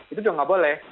itu juga tidak boleh